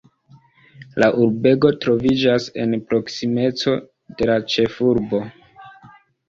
La urbego troviĝas en proksimeco de la ĉefurbo.